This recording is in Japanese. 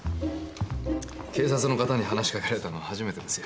警察の方に話しかけられたのは初めてですよ。